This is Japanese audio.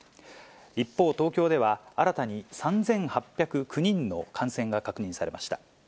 一方、東京では新たに３８０９人の感染が確認されました。